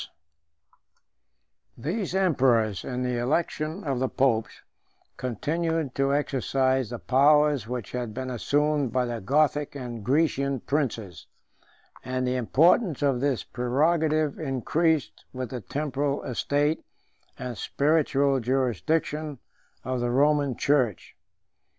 ] These emperors, in the election of the popes, continued to exercise the powers which had been assumed by the Gothic and Grecian princes; and the importance of this prerogative increased with the temporal estate and spiritual jurisdiction of the Roman church.